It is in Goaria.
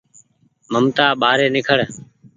ممتآ ٻآري نيکڙ